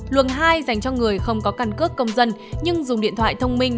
luồng hai dành cho người không có căn cước công dân nhưng dùng điện thoại thông minh